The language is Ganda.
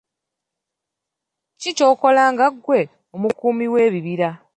Kiki ky'okola nga ggwe omukuumi w'ebibira?